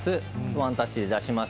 ワンタッチで出します。